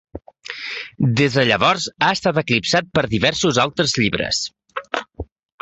Des de llavors ha estat eclipsat per diversos altres llibres.